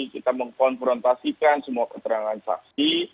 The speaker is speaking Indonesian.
kita mengkonfrontasikan semua keterangan saksi